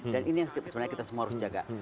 dan ini yang sebenarnya kita semua harus jaga